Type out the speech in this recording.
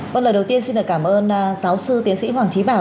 vâng lời đầu tiên xin được cảm ơn giáo sư tiến sĩ hoàng trí bảo